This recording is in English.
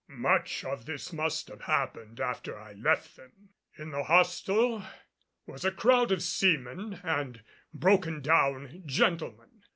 Much of this must have happened after I left them. In the hostel was a crowd of seamen and broken down gentlemen.